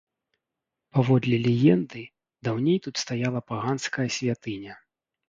Паводле легенды, даўней тут стаяла паганская святыня.